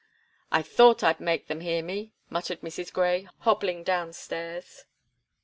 "I thought I'd make them hear me," muttered Mrs. Gray, hobbling down stairs.